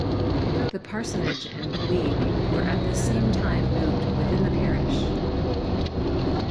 The parsonage and glebe were at the same time moved within the parish.